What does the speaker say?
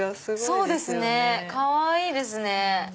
そうですねかわいいですね。